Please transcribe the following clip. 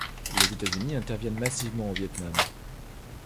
Les États-Unis interviennent massivement au Viêt Nam.